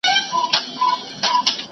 حجره د کلي د نارينه وو ځای دی.